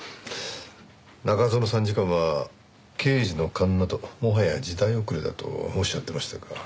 中園参事官は刑事の勘などもはや時代遅れだとおっしゃっていましたが。